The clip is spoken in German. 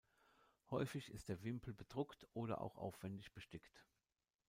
Häufig ist der Wimpel bedruckt oder auch aufwändig bestickt.